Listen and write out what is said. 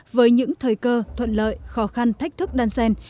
với những thời cơ thuận lợi khó khăn thách thức đan xen